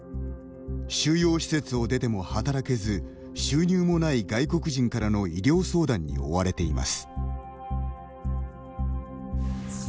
収容施設を出ても働けず収入もない外国人からの医療相談に追われています。